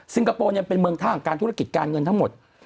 คโปร์เนี่ยเป็นเมืองท่าของการธุรกิจการเงินทั้งหมด